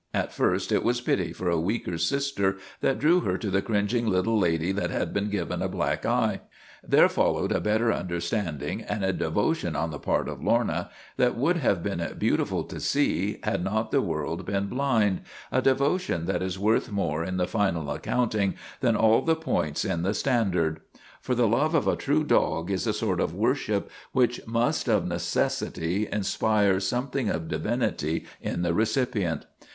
At first it was pity for a weaker sister that drew her to the cringing little lady that had been given a black eye. There followed a better understanding and a devo tion on the part of Lorna that would have been beautiful to see had not the world been blind a devotion that is worth more in the final accounting LORNA OF THE BLACK EYE 257 than all the points in the Standard. For the love of a true dog is a sort of worship which must of neces sity inspire something of divinity in the recipient.